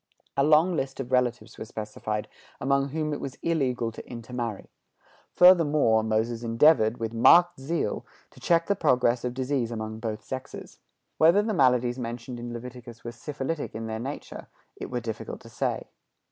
A long list of relatives were specified among whom it was illegal to intermarry. Furthermore, Moses endeavored, with marked zeal, to check the progress of disease among both sexes. Whether the maladies mentioned in Leviticus were syphilitic in their nature, it were difficult to say.